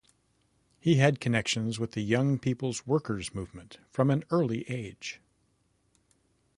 He had connections with the young people's workers' movement from an early age.